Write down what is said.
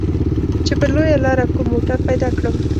چې پر لويه لاره کوم موټر پيدا کړم.